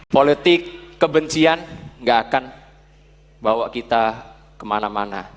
politik kebencian gak akan bawa kita kemana mana